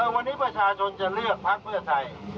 วันนี้ประชาชนจะเลือกพักเพื่อไทย